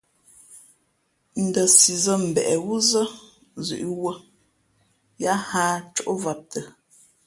Ndα sǐ zᾱ mbeʼ wúzᾱ zʉ̌ʼ wūᾱ , yā hᾱ ǎ cóʼvam tα̌.